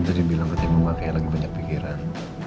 ya tadi dibilang kayaknya mama lagi banyak pikiran